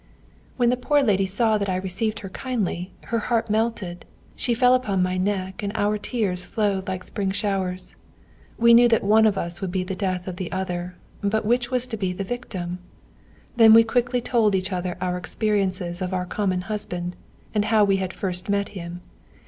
"When the poor lady saw that I received her kindly, her heart melted; she fell upon my neck, and our tears flowed like spring showers. We knew that one of us would be the death of the other, but which was to be the victim? Then we quickly told each other our experiences of our common husband, and how we first met him.